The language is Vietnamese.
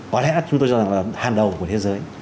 có lẽ chúng tôi cho rằng là hàng đầu của thế giới